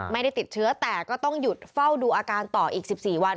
ไม่ได้ติดเชื้อแต่ก็ต้องหยุดเฝ้าดูอาการต่ออีก๑๔วัน